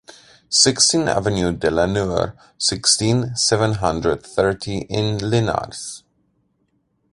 Sixteen avenue de la Nouère, sixteen, seven hundred thirty in Linars.